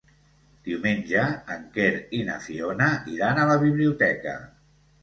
Diumenge en Quer i na Fiona iran a la biblioteca.